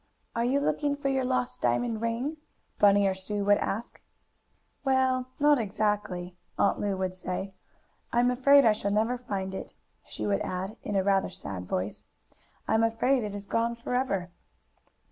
"Are you looking for your lost diamond ring?" Bunny or Sue would ask. "Well, not exactly," Aunt Lu would say. "I'm afraid I shall never find it," she would add, in rather a sad voice. "I am afraid it is gone forever."